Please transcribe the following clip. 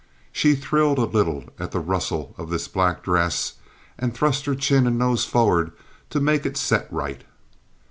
She thrilled a little at the rustle of this black dress, and thrust her chin and nose forward to make it set right.